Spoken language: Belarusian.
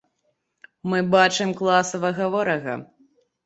Мы бачым класавага ворага.